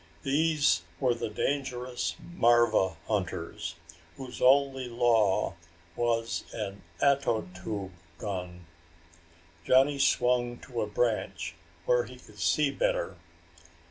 These were the dangerous marva hunters, whose only law was an ato tube gun. Johnny swung to a branch where he could see better.